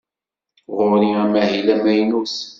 Ɣur-i amahil amaynut.